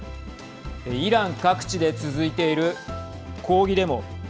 イラン各地で続いている抗議デモ。